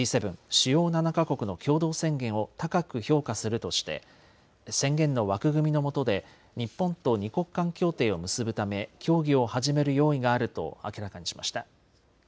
・主要７か国の共同宣言を高く評価するとして宣言の枠組みのもとで日本と２国間協定を結ぶため協議を始める用意があると明らかにしました。